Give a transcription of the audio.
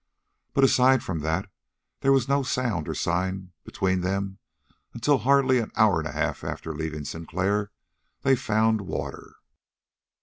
But, aside from that, there was no sound or sign between them until, hardly an hour and a half after leaving Sinclair, they found water.